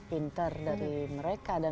pinter dari mereka dan